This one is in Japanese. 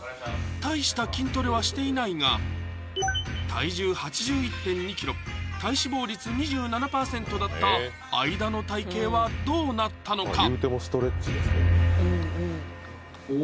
大した筋トレはしていないが体重８１．２ｋｇ体脂肪率２７％だった相田の体形はどうなったのか？